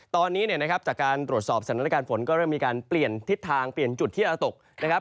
ตอนนี้เนี่ยนะครับจากการตรวจสอบสถานการณ์ฝนก็เริ่มมีการเปลี่ยนทิศทางเปลี่ยนจุดที่จะตกนะครับ